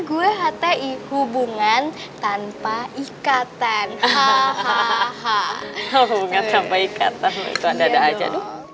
gue hati hubungan tanpa ikatan hahaha hubungan sampai ikatan itu ada aja